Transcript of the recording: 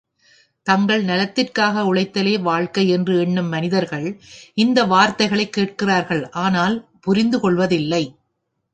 தங்கள் நலத்திற்காக உழைத்தலே வாழ்க்கை என்று எண்ணும் மனிதர்கள் இந்த வார்த்தைகளைக் கேட்கிறார்கள் ஆனால் புரித்து கொள்வதில்லை!